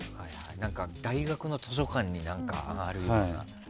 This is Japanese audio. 大学の図書館にあるような。